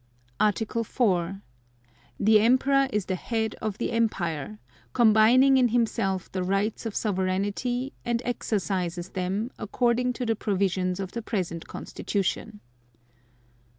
Article 4. The Emperor is the head of the Empire, combining in Himself the rights of sovereignty, and exercises them, according to the provisions of the present Constitution.